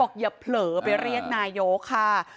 อย่าเผลอไปเรียกนายกค่ะ